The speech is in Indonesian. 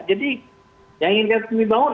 jadi yang ingin ke pemibangun